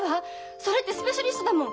それってスペシャリストだもん！